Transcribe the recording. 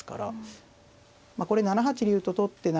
これ７八竜と取って７